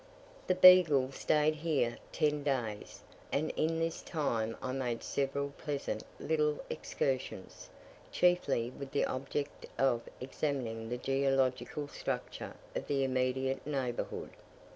The Beagle stayed here ten days, and in this time I made several pleasant little excursions, chiefly with the object of examining the geological structure of the immediate neighbourhood.